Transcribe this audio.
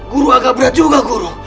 guru agak berat juga